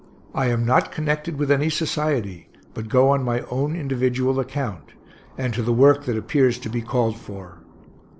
I am not connected with any society, but go on my own individual account, and to the work that appears to be called for.